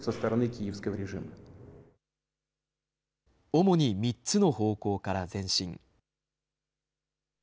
主に３つの方向から前進。